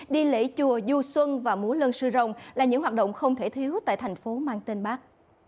đi lễ chùa du xuân và múa lân sư rồng là những hoạt động không thể thiếu tại thành phố mang tên bác